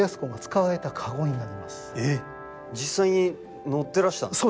えっ実際に乗ってらしたんですか。